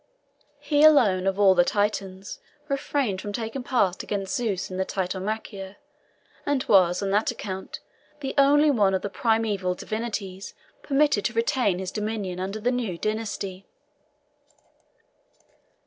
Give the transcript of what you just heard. He alone, of all the Titans, refrained from taking part against Zeus in the Titanomachia, and was, on that account, the only one of the primeval divinities permitted to retain his dominion under the new dynasty.